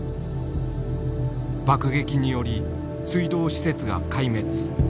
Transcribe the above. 爆撃により水道施設が壊滅。